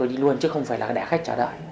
đi luôn chứ không phải là đẻ khách chờ đợi